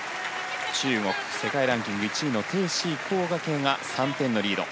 中国、世界ランキング１位のテイ・シイ、コウ・ガケイが３点のリード。